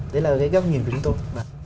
đấy là cái góc nhìn của chúng tôi